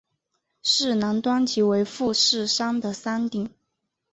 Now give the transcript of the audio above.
市南端即为富士山的山顶。